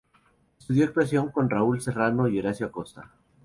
Estudio actuación con Raúl Serrano y Horacio Acosta.